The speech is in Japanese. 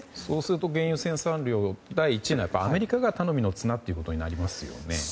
そうすると原油生産量第１位のアメリカが頼みの綱ということになりますよね。